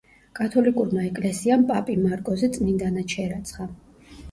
კათოლიკურმა ეკლესიამ პაპი მარკოზი წმინდანად შერაცხა.